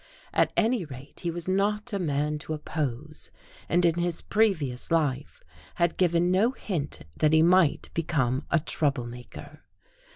At any rate, he was not a man to oppose, and in his previous life had given no hint that he might become a trouble maker.